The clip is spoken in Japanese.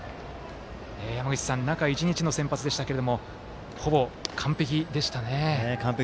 中１日の先発でしたけれどもほぼ完璧でしたね。